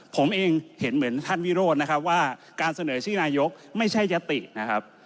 ผมเองเห็นเหมือนท่านวิโรธนะครับว่าการเสนอชื่อนายกไม่ใช่ยตินะครับ